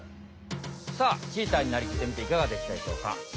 さあチーターになりきってみていかがでしたでしょうか？